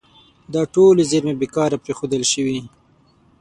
دا ټولې زیرمې بې کاره پرېښودل شوي.